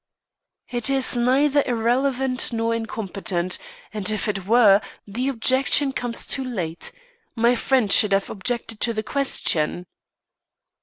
"It is neither irrelevant nor incompetent, and, if it were, the objection comes too late. My friend should have objected to the question."